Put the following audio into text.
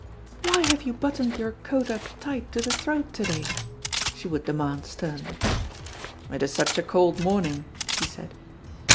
"Why have you buttoned your coat up tight to the throat to day?" she would demand sternly. "It is such a cold morning," he said.